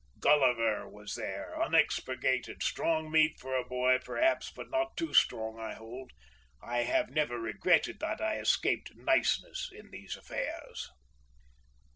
Gulliver was there unexpurgated, strong meat for a boy perhaps but not too strong I hold—I have never regretted that I escaped niceness in these affairs.